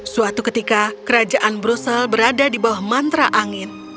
suatu ketika kerajaan brussel berada di bawah mantra angin